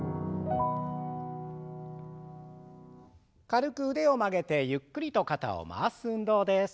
軽く腕を曲げてゆっくりと肩を回す運動です。